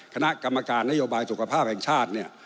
คณะกรรมการนโยบายสุขภาพแห่งชาติเนี่ย